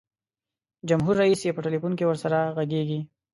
جمهور رئیس یې په ټلفون کې ورسره ږغیږي.